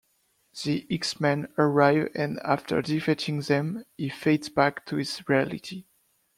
The X-Men arrive and after defeating them he fades back to his reality.